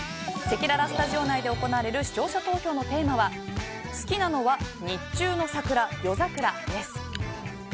せきららスタジオ内で行われる視聴者投票のテーマは好きなのは日中の桜、夜桜です。